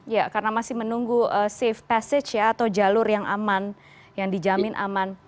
ya karena masih menunggu safe passage ya atau jalur yang aman yang dijamin aman